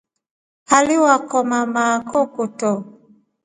Haliwakoma maako kuto.